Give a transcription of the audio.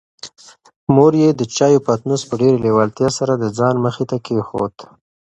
مور یې د چایو پتنوس په ډېرې لېوالتیا سره د ځان مخې ته کېښود.